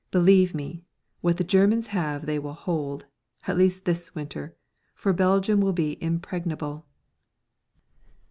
Believe me, what the Germans have they will hold at least this winter. For Belgium will be impregnable!"